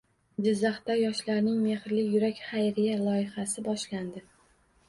Jizzaxda yoshlarning “Mehrli yurak” xayriya loyihasi boshlandi